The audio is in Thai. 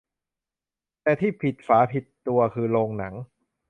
แต่ที่ผิดฝาผิดตัวคือโรงหนัง